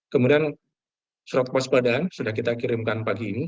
kemudian surat kewaspadaan sudah kita kirimkan pagi ini